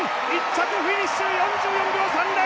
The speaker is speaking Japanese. １着フィニッシュ４４秒３０。